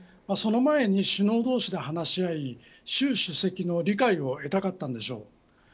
その前に首脳同士で話し合い習主席の理解を得たかったのでしょう。